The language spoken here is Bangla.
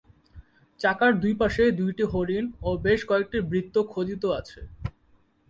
চাকার দুইপাশে দুইটি হরিণ ও বেশ কয়েকটি বৃত্ত খোদিত আছে।